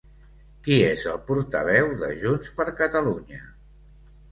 Qui és el portaveu de Junts per Catalunya?